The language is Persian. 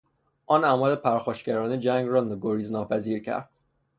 آن اعمال پرخاشگرانه جنگ را گریز ناپذیر کرد.